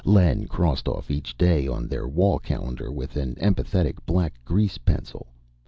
Len crossed off each day on their wall calendar with an emphatic black grease pencil.